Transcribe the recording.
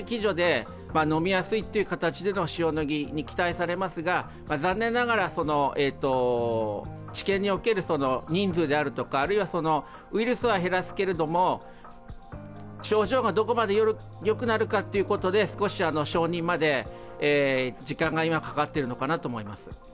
同じ形での塩野義に期待されますが残念ながら、治験における人数であるとかあるいはウイルスは減らすけれども症状がどこまでよくなるかということで少し承認まで時間が今かかってるのかなと思います。